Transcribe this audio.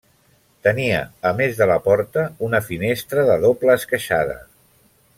Tenia, a més de la porta, una finestra de doble esqueixada.